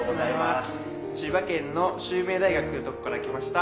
千葉県の秀明大学というとこから来ました